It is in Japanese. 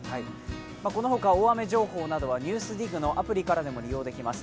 このほか大雨情報などは「ＮＥＷＳＤＩＧ」のアプリからでも利用できます。